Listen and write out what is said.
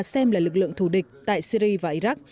xem là lực lượng thù địch tại syri và iraq